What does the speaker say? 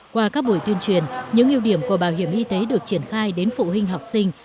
qua các buổi tuyên truyền những ưu điểm của bảo hiểm y tế được triển khai đến phụ huynh học sinh